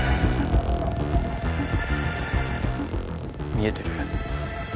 見えてる？